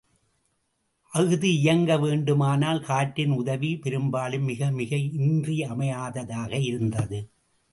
அஃது இயங்க வேண்டுமனால், காற்றின் உதவி பெரும்பாலும் மிக மிக இன்றிமையாததாக இருந்தது.